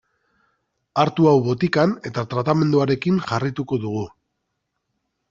Hartu hau botikan eta tratamenduarekin jarraituko dugu.